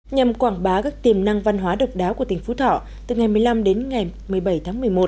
nhằm quảng bá các tiềm năng văn hóa độc đáo của tỉnh phú thọ từ ngày một mươi năm đến ngày một mươi bảy tháng một mươi một